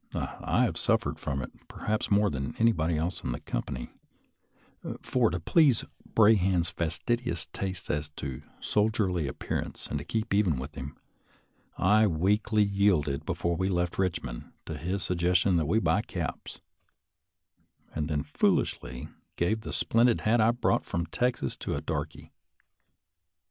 I have suffered from it perhaps more than anybody else in the company ; for, to please Brahan's fastidious taste as to sol dierly appearance and to keep even with him, I weakly yielded before we left Eichmond, to his suggestion that we buy caps, and then foolishly gave the splendid hat I brought from Texas to a darky.